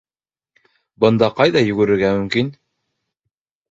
Бында ҡайҙа йүгерергә мөмкин?